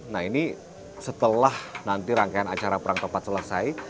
nah ini setelah nanti rangkaian acara perang tempat selesai